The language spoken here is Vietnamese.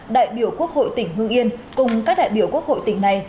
đại biểu quốc hội tỉnh hương yên cùng các đại biểu quốc hội tỉnh này